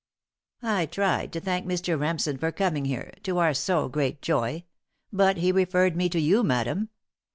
"I tried to thank Mr. Remsen for coming here to our so great joy! but he referred me to you, madam.